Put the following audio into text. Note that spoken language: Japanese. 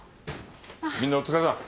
みんなお疲れさん。